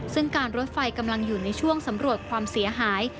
ซึ่งการรถไฟกำลังอยู่ในช่วงสำรวจความเสียหาย